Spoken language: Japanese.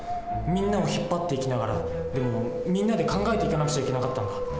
皆を引っ張っていきながらでもみんなで考えていかなくちゃいけなかったんだ。